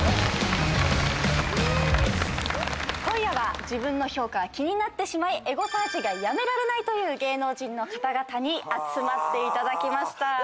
今夜は自分の評価が気になってエゴサーチがやめられないという芸能人の方々に集まっていただきました。